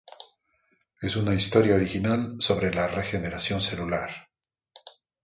Es una historia original sobre la regeneración celular.